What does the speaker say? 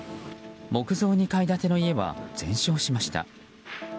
木造２階建ての家は全焼しました。